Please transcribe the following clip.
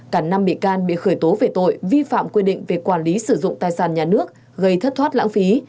cả năm bị can bị khởi tố về tội vi phạm quy định về quản lý sử dụng tài sản nhà nước gây thất thoát lãng phí